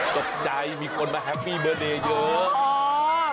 ตกใจมีคนมาแฮปปี้เบอร์เนย์เยอะ